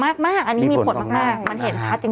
มากอันนี้มีผลมากมันเห็นชัดจริง